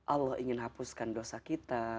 allah ingin hapuskan dosa kita